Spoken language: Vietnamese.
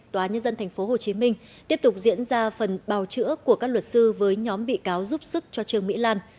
tòa nhân dân tp hcm tiếp tục diễn ra phần bào chữa của các luật sư với nhóm bị cáo giúp sức cho trương mỹ lan